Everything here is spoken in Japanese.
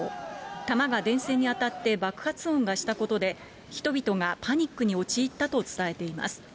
弾が電線に当たって爆発音がしたことで、人々がパニックに陥ったと伝えています。